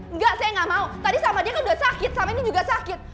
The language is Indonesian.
enggak saya nggak mau tadi sama dia kan udah sakit sama ini juga sakit